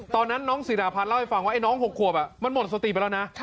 ตอนนั้นน้องศิราพัฒนเล่าให้ฟังว่าไอ้น้อง๖ขวบมันหมดสติไปแล้วนะ